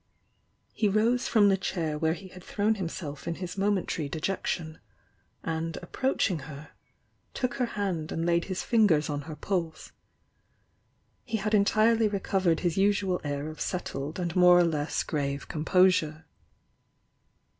He rose from the chair where he had thrown him self m his momentary dejection, and approaching her, took her hand and laid his fingers on her pulse. He had entirely recovered his usual air of settled and more or less grave composure.